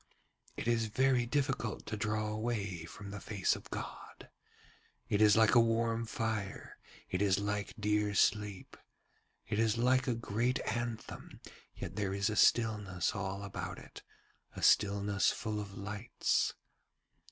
'It is very difficult to draw away from the face of God it is like a warm fire, it is like dear sleep, it is like a great anthem, yet there is a stillness all about it, a stillness full of lights.